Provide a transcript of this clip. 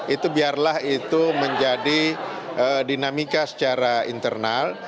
itu biarlah itu menjadi dinamika secara internal